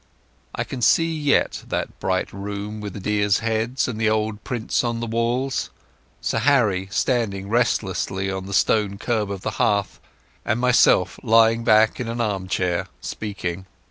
I can see yet that bright room with the deers' heads and the old prints on the walls, Sir Harry standing restlessly on the stone curb of the hearth, and myself lying back in an armchair, speaking.